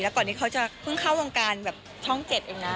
ก่อนนี้เขาจะเพิ่งเข้าวงการแบบช่อง๗เองนะ